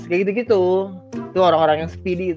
kayak gitu gitu tuh orang orang yang speedy tuh